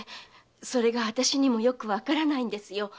それが私にもよくわからないんですよ。